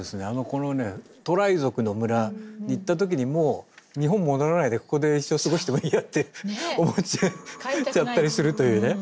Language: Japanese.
このねトライ族の村に行った時にもう日本戻らないでここで一生過ごしてもいいやって思っちゃったりするというね。